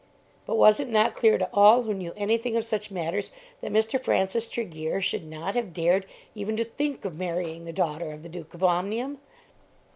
But was it not clear to all who knew anything of such matters that Mr. Francis Tregear should not have dared even to think of marrying the daughter of the Duke of Omnium?